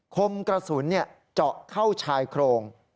คมกระสุนเจาะเข้าชายโครง